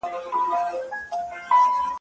نړيواله واکمني په اسانۍ سره نه ترلاسه کېږي.